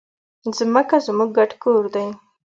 ځمکه زموږ ګډ کور دی.